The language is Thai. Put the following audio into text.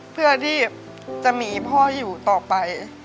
เพื่อที่จะมีพ่ออยู่ต่อไป